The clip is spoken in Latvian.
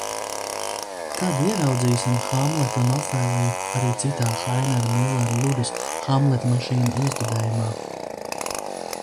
Kad ieraudzīsim Hamletu un Ofēliju arī citā, Hainera Millera lugas "Hamletmašīna", iestudējumā?